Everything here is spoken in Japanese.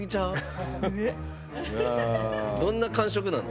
どんな感触なの？